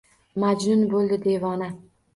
Majnun bo’ldi devona.